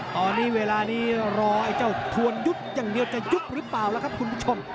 ตอนนี้เวลานี้รอไอ้เจ้าทวนยุบอย่างเดียวจะยุบหรือเปล่าล่ะครับคุณผู้ชม